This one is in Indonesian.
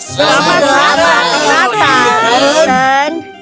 selamat selamat malam ethan